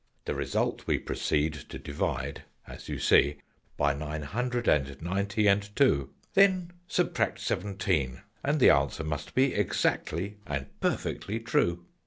"The result we proceed to divide, as you see, By Nine Hundred and Ninety and Two: Then subtract Seventeen, and the answer must be Exactly and perfectly true.